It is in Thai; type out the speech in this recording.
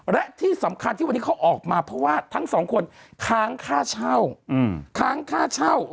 และที่สำคัญที่วันนี้เขาออกมาเพราะว่าทั้งสองคนค้างค่าเช่าค้างค่าเช่า